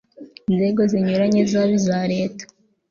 nzego zinyuranye zaba iza Leta